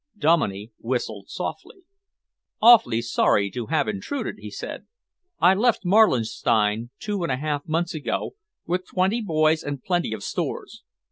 Dominey whistled softly. "Awfully sorry to have intruded," he said. "I left Marlinstein two and a half months ago, with twenty boys and plenty of stores.